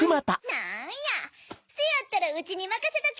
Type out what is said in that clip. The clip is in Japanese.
なんやせやったらうちにまかせとき！